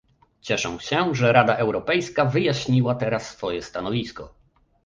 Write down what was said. Cieszę się, że Rada Europejska wyjaśniła teraz swoje stanowisko